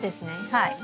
はい。